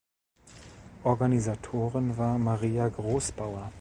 Organisatorin war Maria Großbauer.